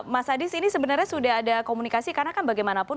mas adis ini sebenarnya sudah ada komunikasi karena kan bagaimanapun